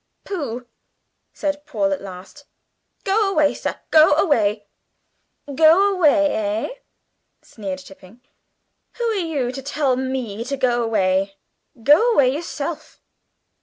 "Pooh!" said Paul at last; "go away, sir, go away!" "Go away, eh?" jeered Tipping. "Who are you to tell me to go away? Go away yourself!"